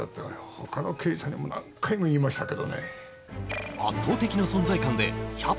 他の刑事さんにも何回も言いましたけどね